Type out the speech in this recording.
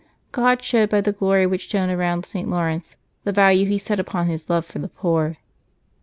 God showed by the glory which shone around St. Laurence the value He set upon his love for the poor.